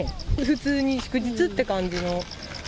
普通に祝日って感じの。